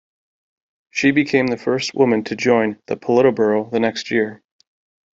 She became the first woman to join the Politburo the next year.